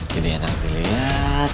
jadi enak dilihat